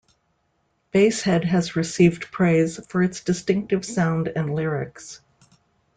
Basehead has received praise for its distinctive sound and lyrics.